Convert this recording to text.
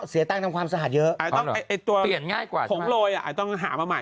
เสียตังค์ทำความสะอาดเยอะตัวผงโลยอ่ะต้องหามาใหม่